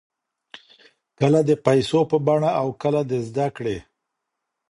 کله د پیسو په بڼه او کله د زده کړې.